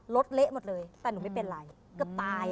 เละหมดเลยแต่หนูไม่เป็นไรเกือบตาย